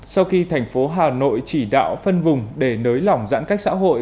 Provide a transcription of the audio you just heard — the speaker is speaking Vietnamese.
sau khi thành phố hà nội chỉ đạo phân vùng để nới lỏng giãn cách xã hội